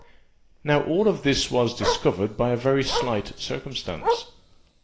Now all this was discovered by a very slight circumstance.